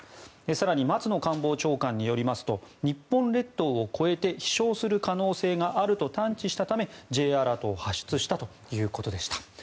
更に松野官房長官によりますと日本列島を越えて飛翔する可能性があると探知したためＪアラートを発出したということでした。